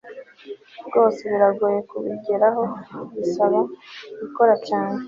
rwose biragoye kubigeraho bisaba gukora cyane